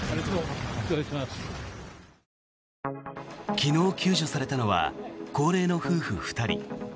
昨日、救助されたのは高齢の夫婦２人。